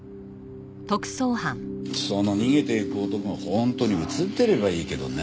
その逃げていく男が本当に映ってればいいけどね。